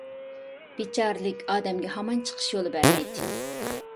بىچارىلىك ئادەمگە ھامان چىقىش يولى بەرمەيتتى.